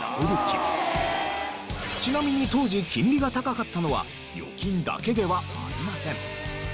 ちなみに当時金利が高かったのは預金だけではありません。